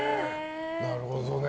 なるほどね。